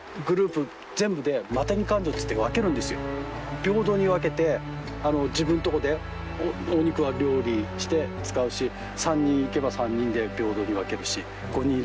平等に分けて自分とこでお肉は料理して使うし３人行けば３人で平等に分けるし５人いれば５人平等。